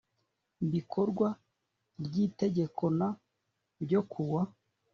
bikorwa ry itegeko n ryo kuwa